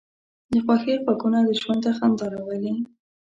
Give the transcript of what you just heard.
د خوښۍ غږونه ژوند ته خندا راولي